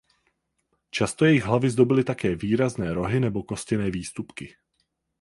Často jejich hlavy zdobily také výrazné rohy nebo kostěné výstupky.